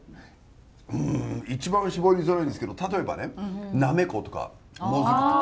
うん一番は絞りづらいですけど例えばねなめことかもずくとか。